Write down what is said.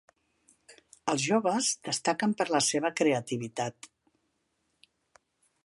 Els joves destaquen per la seva creativitat.